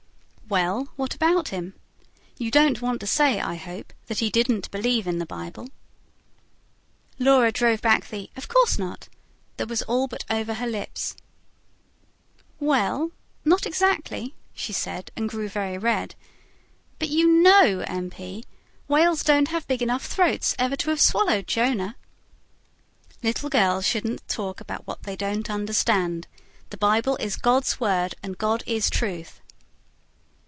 "Well, what about him? You don't want to say, I hope, that he didn't believe in the Bible?" Laura drove back the: "Of course not!" that was all but over her lips. "Well, not exactly," she said, and grew very red. "But you KNOW, M. P., whales don't have big enough throats ever to have swallowed Jonah." "Little girls shouldn't talk about what they don't understand. The Bible is God's Word; and God is Truth."